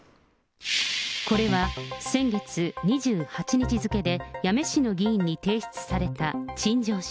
これは、先月２８日付で、八女市の議員に提出された陳情書。